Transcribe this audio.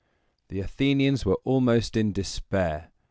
] The Athenians were almost in despair.